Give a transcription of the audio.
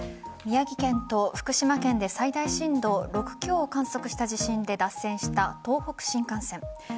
宮城県と福島県で最大震度６強を観測した地震で脱線した東北新幹線。